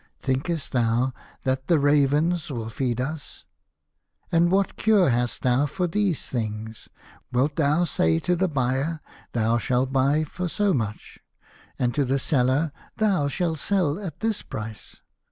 Thinkest thou that the ravens will feed us ? And what cure hast thou for these things ? Wilt thou say to the buyer, ' Thou shalt buy for so much,' and to the seller, ' Thou shalt sell at this price